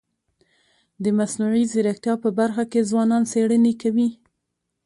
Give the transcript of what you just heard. د مصنوعي ځیرکتیا په برخه کي ځوانان څيړني کوي.